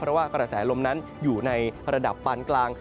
เพราะว่ากระแสลมนั้นอยู่ในระดับปานกลาง